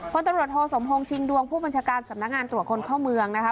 ตำรวจโทสมพงษ์ชิงดวงผู้บัญชาการสำนักงานตรวจคนเข้าเมืองนะคะ